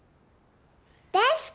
大好き！